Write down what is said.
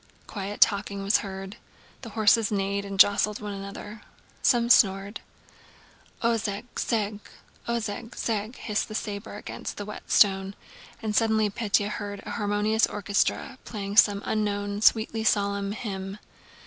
Quiet talking was heard. The horses neighed and jostled one another. Someone snored. "Ozheg zheg, Ozheg zheg..." hissed the saber against the whetstone, and suddenly Pétya heard an harmonious orchestra playing some unknown, sweetly solemn hymn.